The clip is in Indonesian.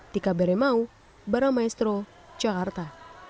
dikabere mau para maestro jakarta